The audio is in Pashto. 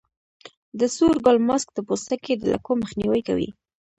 د سور ګل ماسک د پوستکي د لکو مخنیوی کوي.